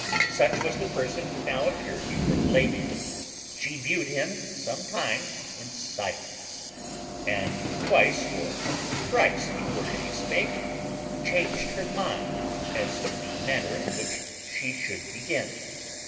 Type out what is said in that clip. Such was the person who now appeared before the lady. She viewed him some time in silence, and twice or thrice before she spake changed her mind as to the manner in which she should begin.